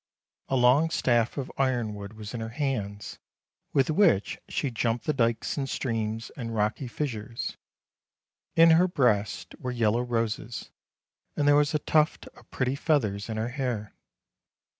A long staff of ironwood was in her hands, with which she jumped the dykes and streams and PLACE CALLED PERADVENTURE 327 rocky fissures ; in her breast were yellow roses, and there was a tuft of pretty feathers in her hair.